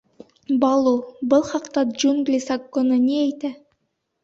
Балу, был хаҡта Джунгли Законы ни әйтә?